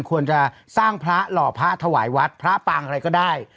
ควรจะสร้างพระหล่อพระถวายวัดพระปางอะไรก็ได้